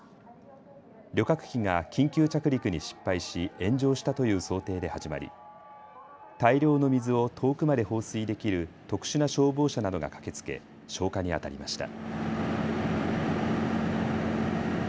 旅客機が緊急着陸に失敗し炎上したという想定で始まり大量の水を遠くまで放水できる特殊な消防車などが駆けつけ消火にあたりました。